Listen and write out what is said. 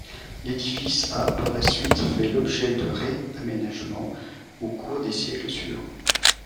L'édifice a, par la suite, fait l'objet de ré-aménagements au cours des siècles suivants.